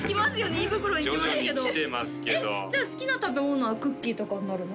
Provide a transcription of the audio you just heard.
胃袋にきますけど徐々にきてますけどじゃあ好きな食べ物はクッキーとかになるの？